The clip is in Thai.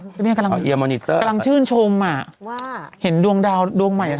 คุณแม่กำลังเอียมอนิเตอร์กำลังชื่นชมอ่ะว่าเห็นดวงดาวดวงใหม่